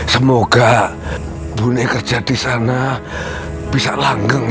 semoga bu kerja di sana bisa langgeng ya